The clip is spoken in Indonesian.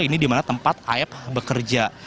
ini di mana tempat aep bekerja